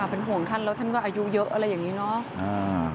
เป็นห่วงท่านแล้วท่านก็อายุเยอะอะไรอย่างนี้เนาะ